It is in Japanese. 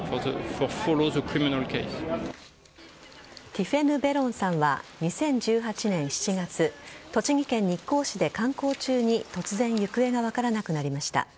ティフェヌ・ベロンさんは２０１８年７月栃木県日光市で観光中に、突然行方が分からなくなりました。